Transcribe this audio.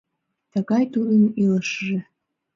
Тыгай тудын илышыже.